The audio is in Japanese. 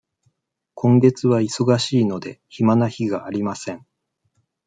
今月は忙しいので、暇な日がありません。